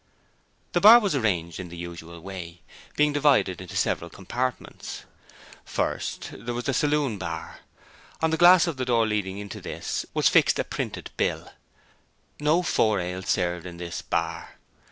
The bar was arranged in the usual way, being divided into several compartments. First there was the 'Saloon Bar': on the glass of the door leading into this was fixed a printed bill: 'No four ale served in this bar.'